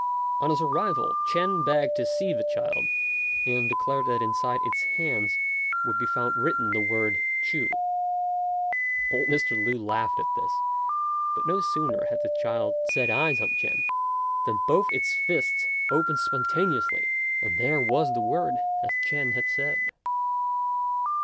On his arrival Ch'ên begged to see the child, and declared that inside its hands would be found written the word Ch'u. Old Mr. Lü laughed at this; but no sooner had the child set eyes on Ch'ên than both its fists opened spontaneously, and there was the word as Ch'ên had said.